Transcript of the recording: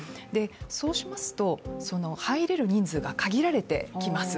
そうしますと、入れる人数が限られてきます。